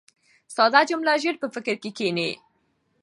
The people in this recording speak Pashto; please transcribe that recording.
ساده جمله ژر په فکر کښي کښېني.